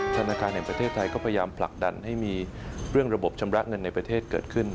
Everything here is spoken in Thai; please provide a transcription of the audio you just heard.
ธนาคารแห่งประเทศไทยก็พยายามผลักดันให้มีเรื่องระบบชำระเงินในประเทศเกิดขึ้น